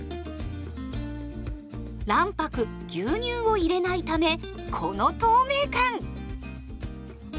卵白牛乳を入れないためこの透明感！